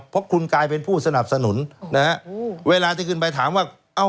เพราะคุณกลายเป็นผู้สนับสนุนนะฮะเวลาที่ขึ้นไปถามว่าเอ้า